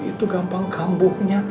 itu gampang kambuhnya